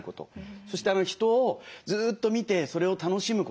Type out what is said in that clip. そして人をずっと見てそれを楽しむこと。